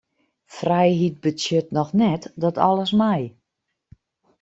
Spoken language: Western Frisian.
Frijheid betsjut noch net dat alles mei.